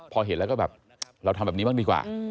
พอเห็นแล้วก็แบบเราทำแบบนี้บ้างดีกว่า